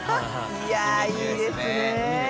いやいいですねぇ。